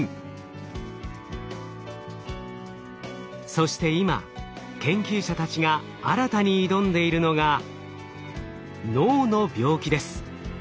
そして今研究者たちが新たに挑んでいるのが脳の病気です。